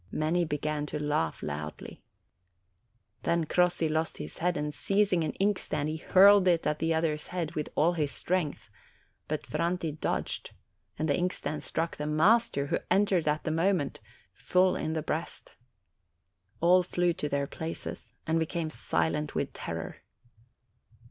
Many began to laugh loudly. Then Crossi lost his head, and seizing an inkstand, he hurled it at the other's head with all his strength; but Franti dodged, and the inkstand struck the master, who entered at the moment, full in the breast. All flew to their places, and became silent with terror.